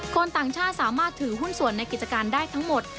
คนต่างชาติสามารถถือหุ้นส่วนในกิจการได้ทั้งหมด